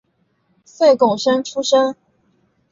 岁贡生出身。